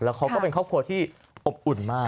เขาก็เป็นครอบครัวที่อบอุ่นมาก